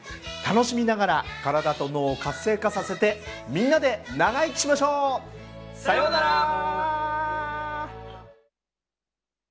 楽しみながら体と脳を活性化させてみんなで長生きしましょう！さよなら！